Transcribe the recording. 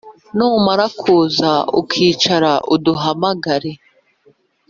Numara kuhagera ukicara uduhamagare